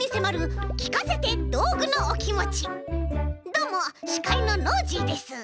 どうもしかいのノージーです。